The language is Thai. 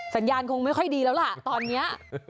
สัญญาณคงไม่ค่อยดีแล้วล่ะตอนนี้